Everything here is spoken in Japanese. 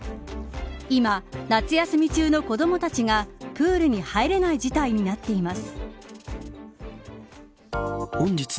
今、夏休み中の子どもたちがプールに入れない事態になっています。